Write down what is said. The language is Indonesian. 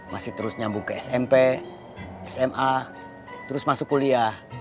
masih terus nyambung ke smp sma terus masuk kuliah